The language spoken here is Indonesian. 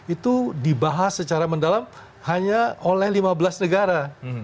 itu dibahas secara mendalam hanya oleh lima belas negara